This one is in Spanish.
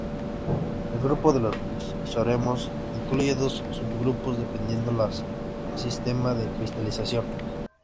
El grupo de los piroxenos incluye dos subgrupos, dependiendo del sistema de cristalización.